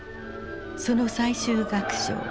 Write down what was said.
その最終楽章